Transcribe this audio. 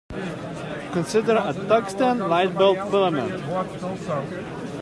Consider a tungsten light-bulb filament.